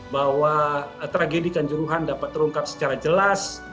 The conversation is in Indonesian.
bahwa tragedi kanjuruhan dapat terungkap secara jelas